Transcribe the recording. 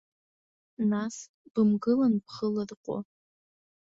Нас, бымгылан бхы ларҟәы.